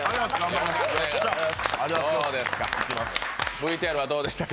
ＶＴＲはどうでしたか？